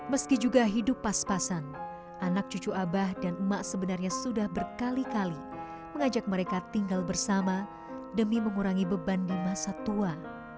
meski juga hidup pas pasan anak cucu abah dan emak sebenarnya sudah berkali kali mengajak mereka tinggal bersama demi mengurangi beban di masa tua